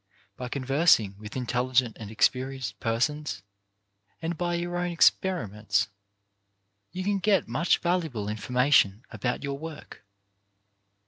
By conversing with intelligent and experienced persons, and by your own experiments, you can get much valuable in formation about your work.